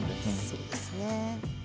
そうですね。